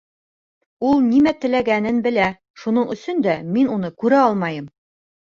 Ул нимә теләгәнен белә, шуның өсөн дә мин уны күрә алмайым.